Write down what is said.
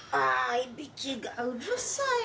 いびきがうるさいよ